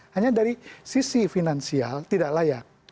hanya dari sisi finansial tidak layak